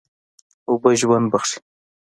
اوبه ژوند بښي.